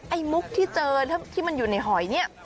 มุกที่เจอที่มันอยู่ในหอยเนี่ย